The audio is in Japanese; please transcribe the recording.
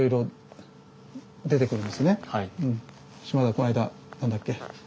この間何だっけ？